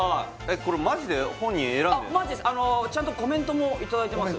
マジですちゃんとコメントもいただいてます